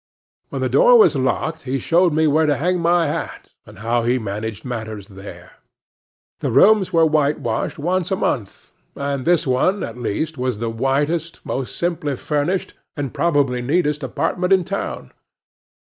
When the door was locked, he showed me where to hang my hat, and how he managed matters there. The rooms were whitewashed once a month; and this one, at least, was the whitest, most simply furnished, and probably the neatest apartment in town.